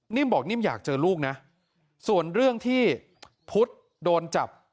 บอกนิ่มอยากเจอลูกนะส่วนเรื่องที่พุทธโดนจับ